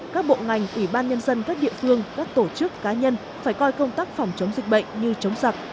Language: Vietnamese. các bộ ngành ủy ban nhân dân các địa phương các tổ chức cá nhân phải coi công tác phòng chống dịch bệnh như chống giặc